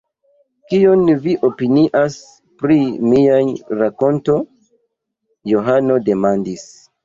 Kion vi opinias pri mia rakonto? Johano demandis.